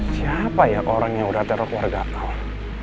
siapa ya orang yang udah terok warga al